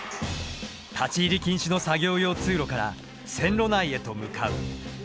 立ち入り禁止の作業用通路から線路内へと向かう。